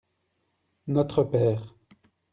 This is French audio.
notre père.